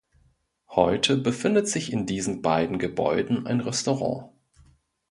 Heute befindet sich in diesen beiden Gebäuden ein Restaurant.